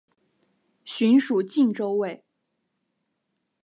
寻属靖州卫。